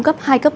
cấp hai cấp ba